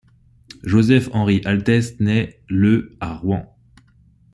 Joseph-Henri Altès naît le à Rouen.